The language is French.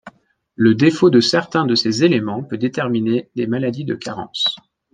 Le défaut de certains de ces éléments peut déterminer des maladies de carence.